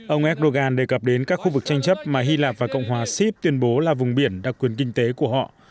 ông erdogan đề cập đến các khu vực tranh chấp mà hy lạp và cộng hòa sip tuyên bố là vùng biển đặc quyền kinh tế của họ